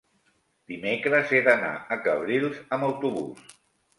dimecres he d'anar a Cabrils amb autobús.